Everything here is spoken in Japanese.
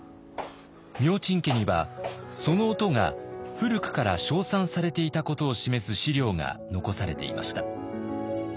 明珍家にはその音が古くから称賛されていたことを示す史料が残されていました。